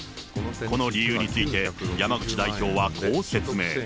この理由について、山口代表はこう説明。